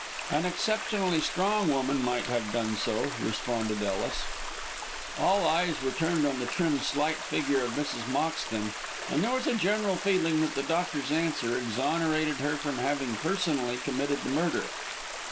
"An exceptionally strong woman might have done so," responded Ellis. All eyes were turned on the trim, slight figure of Mrs. Moxton, and there was a general feeling that the doctor's answer exonerated her from having personally committed the murder.